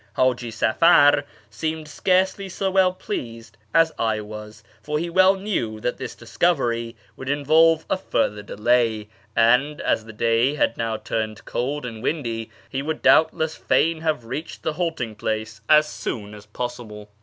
Haji Safar seemed scarcely so well pleased as I was, for he well knew that this discovery would involve a further delay, and, as the day had now turned cold and windy, he would doubtless fain have reached the halting place as soon as possible.